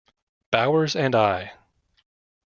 Bowers and I.